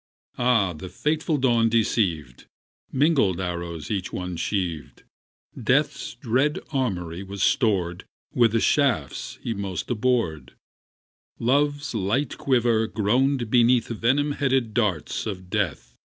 Ah, the fateful dawn deceived! Mingled arrows each one sheaved; Death's dread armoury was stored With the shafts he most abhorred; Love's light quiver groaned beneath Venom headed darts of Death.